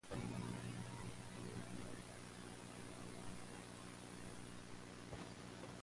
While Montreal had the Impact Academy in the First Division.